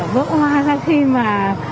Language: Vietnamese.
vỗ hoa ra khi mà